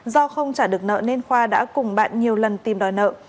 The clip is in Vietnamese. do không trả được nợ nên khoa đã cùng bạn nhiều lần tìm đòi nợ